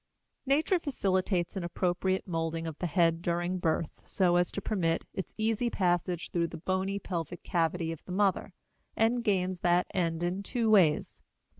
Nature facilitates an appropriate molding of the head during birth so as to permit its easy passage through the bony pelvic cavity of the mother, and gains that end in two ways.